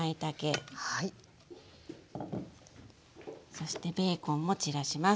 そしてベーコンも散らします。